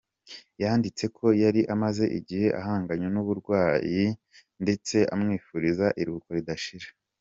Yanditse ko yari amaze igihe ahanganye n’uburwayi ndetse amwifuriza iruhuko ridashira.